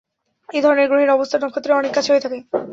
এধরণের গ্রহের অবস্থান নক্ষত্রের অনেক কাছে হয়ে থাকে।